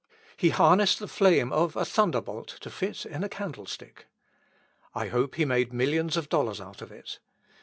He harnessed the flame of a thunderbolt to fit in a candlestick. I hope he made millions of dollars out of it.